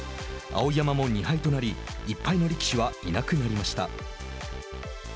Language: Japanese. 碧山も２敗となり１敗の力士はいなくなりました。